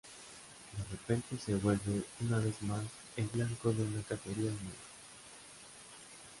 De repente se vuelve, una vez más, el blanco de una cacería humana.